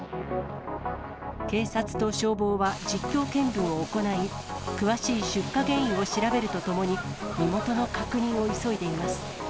警察と消防は実況見分を行い、詳しい出火原因を調べるとともに、身元の確認を急いでいます。